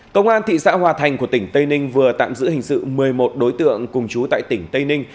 công an thị xã hòa thành của tỉnh tây ninh vừa tạm giữ hình sự một mươi một đối tượng cùng chú tại tỉnh tây ninh